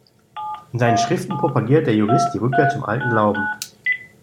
In seinen Schriften propagierte der Jurist die Rückkehr zum alten Glauben.